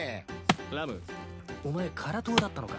ラムお前辛党だったのか。